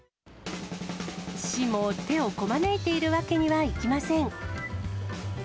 市も手をこまねいているわけにはいきません。